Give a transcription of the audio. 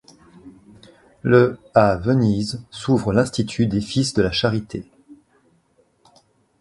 Le à Venise s'ouvre l'Institut des fils de la charité.